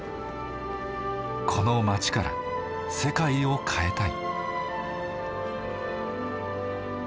この街から世界を変えたい。